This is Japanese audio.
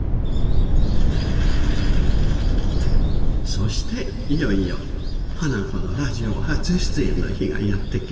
そしていよいよ花子のラジオ初出演の日がやって来ました。